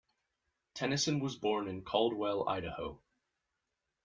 Tenison was born in Caldwell, Idaho.